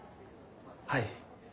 はい。